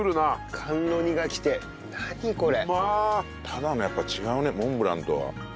ただのやっぱ違うねモンブランとは。